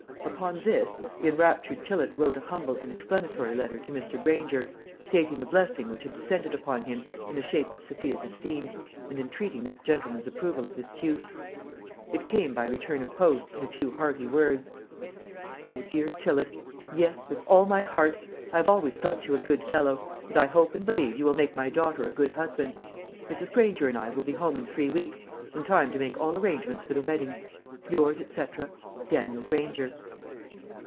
Upon this, the enraptured Tillott wrote a humble and explanatory letter to Mr. Granger, stating the blessing which had descended upon him in the shape of Sophia's esteem, and entreating that gentleman's approval of his suit. It came by return of post, in a few hearty words. "MY DEAR TILLOTT, Yes; with all my heart! I have always thought you a good fellow; and I hope and believe you will make my daughter a good husband. Mrs. Granger and I will be home in three weeks, in time to make all arrangements for the wedding. Yours, &c. "DANIEL GRANGER."